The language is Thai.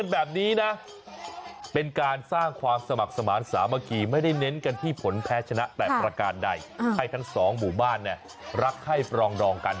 ให้ทั้งสองบุบันรักให้รองดองกัน